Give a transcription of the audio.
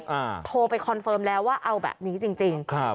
อ่าโทรไปคอนเฟิร์มแล้วว่าเอาแบบนี้จริงจริงครับ